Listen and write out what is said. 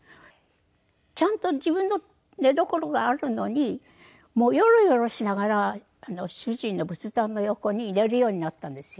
ちゃんと自分の寝床があるのによろよろしながら主人の仏壇の横に寝るようになったんですよ。